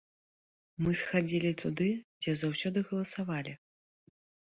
Мы схадзілі туды, дзе заўсёды галасавалі.